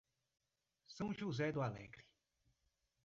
São José do Alegre